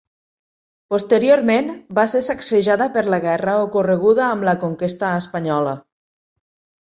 Posteriorment, va ser sacsejada per la guerra ocorreguda amb la conquesta espanyola.